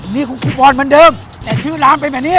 นี่คุณคิดว่าวนเหมือนเดิมแต่ชื่อร้ำเป็นแบบนี้